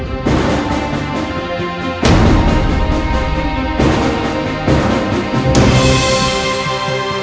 มค